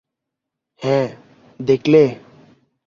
হ্যাঁ, দেখলে?